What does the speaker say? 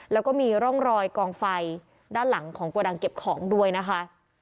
แล้วก็มีร่องรอยกองไฟด้านหลังของโกดังเก็บของด้วยนะคะ